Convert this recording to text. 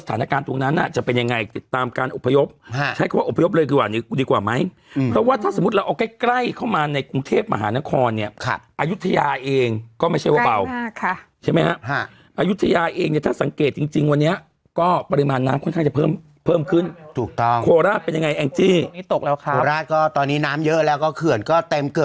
สถานการณ์ตรงนั้นน่ะจะเป็นยังไงติดตามการอพยพใช้คำว่าอพยพเลยกว่านี้ดีกว่าไหมเพราะว่าถ้าสมมติเราเอาใกล้ใกล้เข้ามาในกรุงเทพมหานครเนี่ยค่ะอายุทยาเองก็ไม่ใช่ว่าเบาค่ะใช่ไหมฮะอายุทยาเองเนี่ยถ้าสังเกตจริงจริงวันเนี้ยก็ปริมาณน้ำค่อนข้างจะเพิ่มเพิ่มขึ้นถูกต้องโคราชเป็นยังไง